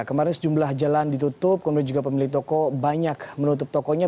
kemarin sejumlah jalan ditutup kemudian juga pemilik toko banyak menutup tokonya